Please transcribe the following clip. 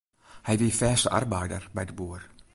Hy wie fêste arbeider by de boer.